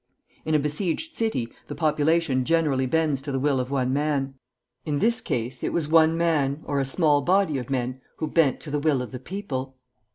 In a besieged city the population generally bends to the will of one man; in this case it was one man, or a small body of men, who bent to the will of the people.